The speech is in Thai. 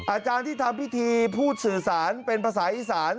อาจารย์ที่ทำพิธีพูดสื่อสารเป็นภาษาอีสาน